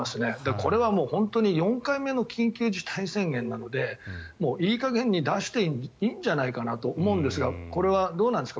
これはもう本当に４回目の緊急事態宣言なのでもういい加減に出していいんじゃないかなと思うんですがこれはどうなんですか。